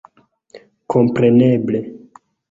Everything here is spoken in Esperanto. Kompreneble